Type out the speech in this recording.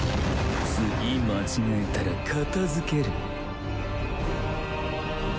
次間違えたら片付ける。